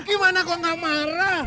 gimana kok gak marah